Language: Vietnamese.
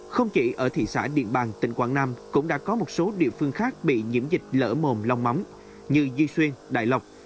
không chỉ ở thị xã điện bàng tỉnh quảng nam cũng đã có một số địa phương khác bị nhiễm dịch lỡ mồm lông mắm như duy xuyên đại lộc